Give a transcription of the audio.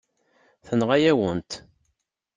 Tenɣa-yawen-t.